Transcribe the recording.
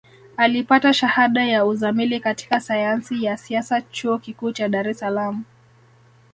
Alipata Shahada ya Uzamili katika Sayansi ya Siasa Chuo Kikuu cha Dar es Salaam